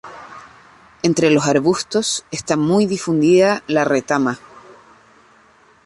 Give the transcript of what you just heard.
Entre los arbustos está muy difundida la retama.